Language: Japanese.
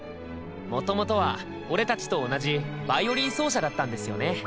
もともとは俺たちと同じヴァイオリン奏者だったんですよね？